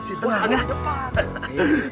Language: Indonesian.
si bos ada di depan